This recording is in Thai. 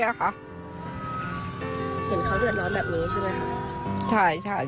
เห็นเขาเดือดร้อนแบบนี้ใช่ไหมคะใช่ใช่